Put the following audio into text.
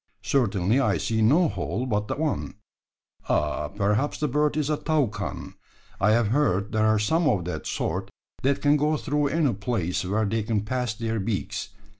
Certainly I see no hole but the one. Oh! perhaps the bird is a toucan. I have heard there are some of that sort that can go through any place where they can pass their beaks.